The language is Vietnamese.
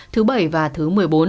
thứ bảy và thứ một mươi bốn